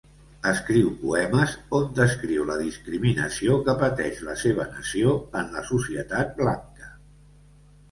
Escriu poemes on descriu la discriminació que pateix la seva nació en la societat blanca.